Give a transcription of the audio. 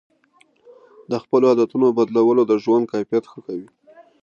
د خپلو عادتونو بدلول د ژوند کیفیت ښه کوي.